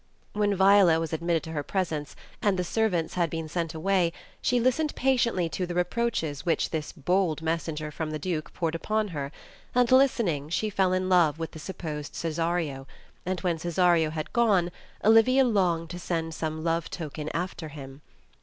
'* When Viola was admitted to her presence and the servants had been sent away, she listened patiently to the reproaches which this bold messenger from the Duke poured upon her, and listening she fell in love with the supposed Cesario; and when Cesario had gone, Olivia longed to send £ome love token after him.